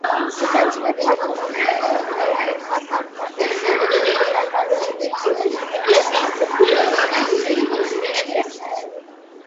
ასეთივე ფართო სწორკუთხა სამ-სამი სარკმელია გაჭრილი ეკლესიის გრძივ კედლებშიც.